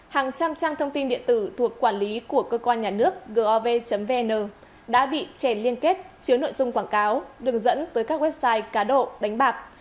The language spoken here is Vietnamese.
hàng trăm trang thông tin điện tử thuộc quản lý của cơ quan nhà nước gov vn đã bị chèn liên kết chứa nội dung quảng cáo đường dẫn tới các website cá độ đánh bạc